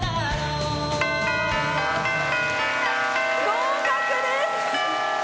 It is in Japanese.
合格です！